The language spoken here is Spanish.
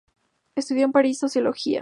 Estudió en París sociología.